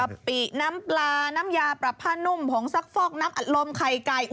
ปิน้ำปลาน้ำยาปรับผ้านุ่มผงซักฟอกน้ำอัดลมไข่ไก่